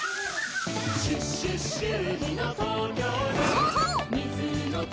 そうそう！